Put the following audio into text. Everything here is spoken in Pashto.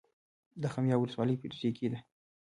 د خمیاب ولسوالۍ ریګي ده